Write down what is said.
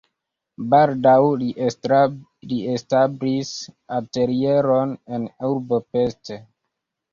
Baldaŭ li establis atelieron en urbo Pest.